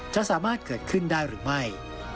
จะสามารถเกิดขึ้นได้หรือไม่